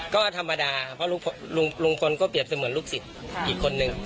ก็ธรรมดาเพราะลุงพลก็เปรียบเสมือนลูกศิษย์อีกคนนึง